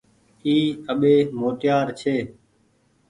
اي اٻي موٽيار ڇي۔